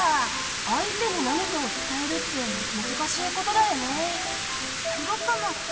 相手に何かを伝えるって難しいことだよね。